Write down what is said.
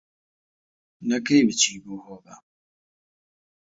نەکەی بچی بۆ هۆبە